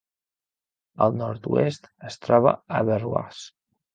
Al nord-oest es troba Averrois.